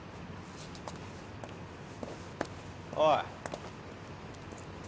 おい。